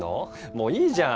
もういいじゃん。